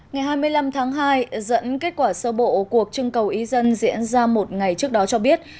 ngày hai mươi năm tháng hai dẫn kết quả sơ bộ cuộc trưng cầu ý dân diễn ra một ngày trước đó cho biết